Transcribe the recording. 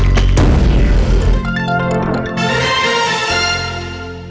โปรดติดตามตอนต่อไป